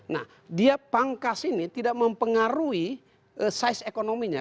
nah dia pangkas ini tidak mempengaruhi size ekonominya